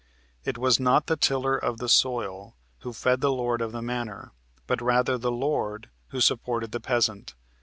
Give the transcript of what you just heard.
It was not the tiller of the soil who fed the lord of the manor, but rather the lord who supported the peasant.